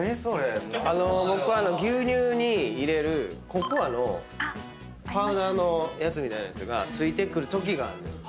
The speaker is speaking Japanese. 僕牛乳に入れるココアのパウダーのやつみたいなやつが付いてくるときがあんのよ。